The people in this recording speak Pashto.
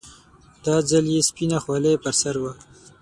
دا ځل يې سپينه خولۍ پر سر وه.